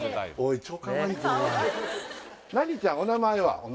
何ちゃん？お名前は？